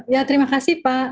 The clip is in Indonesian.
ya terima kasih pak